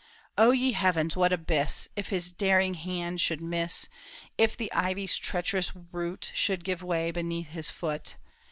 O ye Heavens, what abyss ! If his daring hand should miss ! If the ivy's treacherous root Should give way beneath his foot